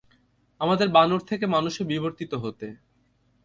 আমাদের বানর থেকে মানুষে বিবর্তিত হতে।